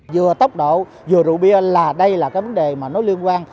vừa tốc độ vừa rượu bia là đây là cái vấn đề mà nó liên quan